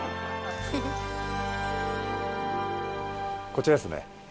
こちらですね。